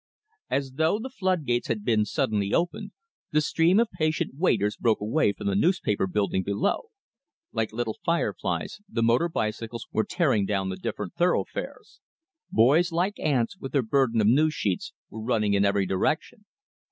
As though the flood gates had been suddenly opened, the stream of patient waiters broke away from the newspaper building below. Like little fireflies, the motor bicycles were tearing down the different thoroughfares. Boys like ants, with their burden of news sheets, were running in every direction.